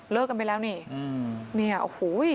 เลิกกันไปแล้วนี่เนี่ยโหว